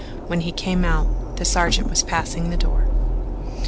When he came out the sergeant was passing the door.